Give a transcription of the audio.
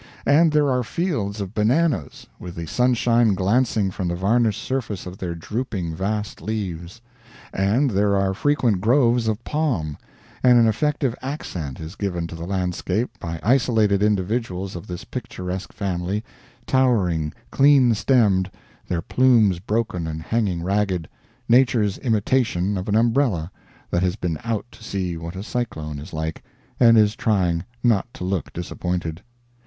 And there are fields of bananas, with the sunshine glancing from the varnished surface of their drooping vast leaves. And there are frequent groves of palm; and an effective accent is given to the landscape by isolated individuals of this picturesque family, towering, clean stemmed, their plumes broken and hanging ragged, Nature's imitation of an umbrella that has been out to see what a cyclone is like and is trying not to look disappointed.